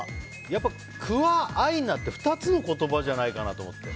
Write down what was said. やっぱりクア・アイナって２つの言葉じゃないかなと思って。